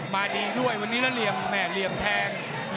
มาดีด้วยเรียมแทง